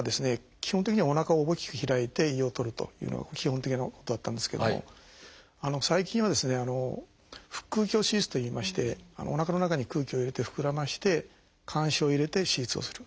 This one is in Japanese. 基本的にはおなかを大きく開いて胃を取るというのが基本的なことだったんですけども最近は腹腔鏡手術といいましておなかの中に空気を入れて膨らませて鉗子を入れて手術をする。